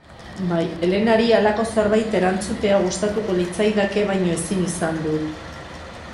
Bai, Elenari halako zerbait erantzutea gustatuko litzaidake, baina ezin izan dut.